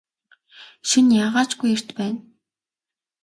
Шөнө яагаа ч үгүй эрт байна.